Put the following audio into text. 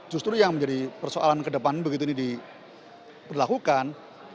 justru yang menjadi persoalan ke depan begitu ini diberlakukan